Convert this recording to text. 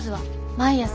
毎朝！？